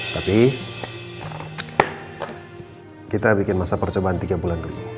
tapi kita bikin masa percobaan tiga bulan